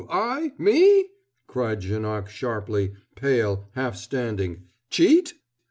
I me?" cried Janoc sharply, pale, half standing "cheat?"